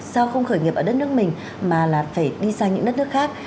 sao không khởi nghiệp ở đất nước mình mà là phải đi sang những đất nước khác